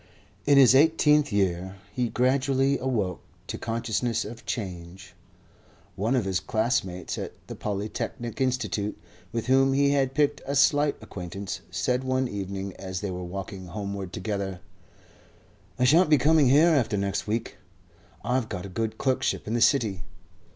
In his eighteenth year he gradually awoke to consciousness of change. One of his classmates at the Polytechnic institute, with whom he had picked a slight acquaintance, said one evening as they were walking homeward together: "I shan't be coming here after next week. I've got a good clerkship in the city.